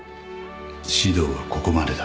指導はここまでだ